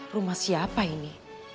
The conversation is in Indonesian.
rumah siapa ini